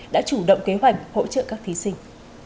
đã chủ động kế hoạch hỗ trợ các thí sinh